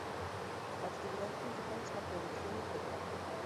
La actividad principal es la producción de copra.